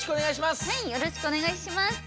はいよろしくおねがいします！